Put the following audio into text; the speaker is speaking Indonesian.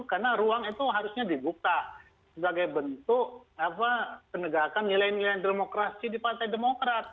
karena ruang itu harusnya dibuka sebagai bentuk penegakan nilai nilai demokrasi di partai demokrat